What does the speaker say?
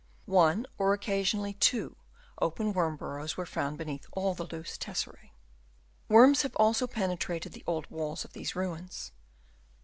One or occasionally two open worm burrows were found beneath all the loose tesserae. Worms have also penetrated the old walls of these ruins.